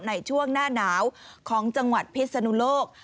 ในช่วงหน้าหนาวของจังหวัดพิศนุโลก